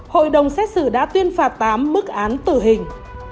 hội đồng xét xử đã tuyên phạt tám bức án tử hình